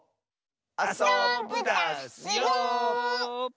あそぶダスよ！